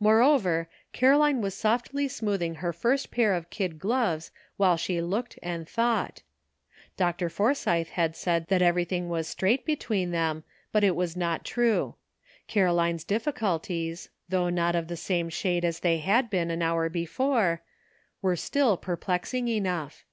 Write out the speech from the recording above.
Moreover, Caroline was softly smoothing her first pair of kid gloves while she looked and thought. Dr. Forsythe had said that everything was straight between them, but it was not true. Caroline's difficul ties, though not of the same shade as they had been an hour before, were still perplexing enough.